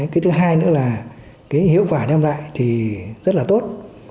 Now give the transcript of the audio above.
cái thứ hai nữa là hiệu quả đem lại rất là tốt